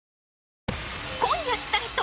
今夜スタート！